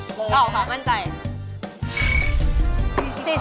อ๋อขอบความมั่นใจ